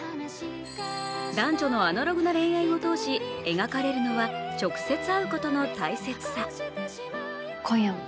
男女のアナログな恋愛を通し描かれるのは直接会うことの大切さ。